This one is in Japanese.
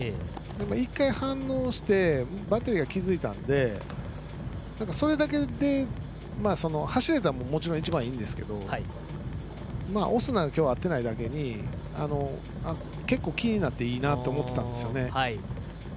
１回反応してバッテリーが気付いたんでそれだけで走れたらもちろんいちばんいいんですけどオスナがきょうは合っていないだけに結構気になっていていいなと思ったんですけどね。